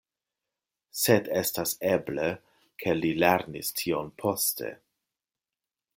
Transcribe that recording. Sed estas eble, ke li lernis tion poste.